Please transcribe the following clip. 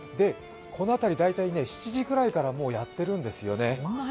この辺り、大体７時ぐらいからやっているんですよね。